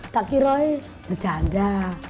tak kirain berjanda